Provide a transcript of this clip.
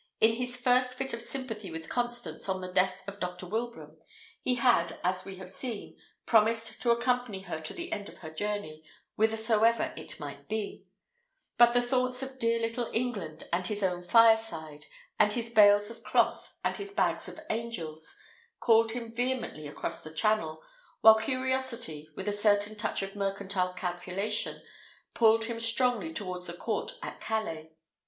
In his first fit of sympathy with Constance on the death of Dr. Wilbraham, he had, as we have seen, promised to accompany her to the end of her journey, whithersoever it might be; but the thoughts of dear little England, and his own fireside, and his bales of cloth, and his bags of angels, called him vehemently across the Channel, while curiosity, with a certain touch of mercantile calculation, pulled him strongly towards the court at Calais.